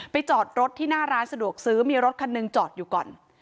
จอดรถที่หน้าร้านสะดวกซื้อมีรถคันหนึ่งจอดอยู่ก่อน